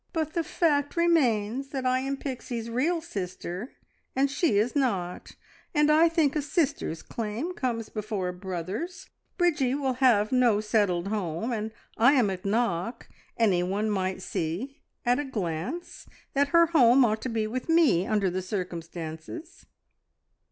"But the fact remains that I am Pixie's real sister, and she is not; and I think a sister's claim comes before a brother's. Bridgie will have no settled home, and I am at Knock. Anyone might see at a glance that her home ought to be with me, under the circumstances."